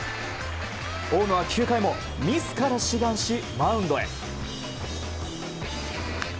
大野は９回も自ら志願しマウンドへ。